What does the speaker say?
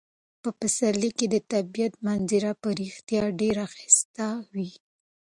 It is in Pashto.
په پسرلي کې د طبیعت منظره په رښتیا ډیره ښایسته وي.